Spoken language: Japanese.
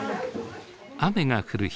雨が降る日。